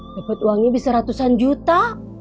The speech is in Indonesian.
dapat uangnya bisa ratusan juta